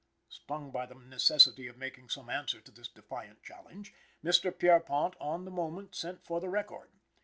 Stung by the necessity of making some answer to this defiant challenge, Mr. Pierrepont on the moment sent for the record.